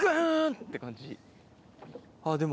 って感じ。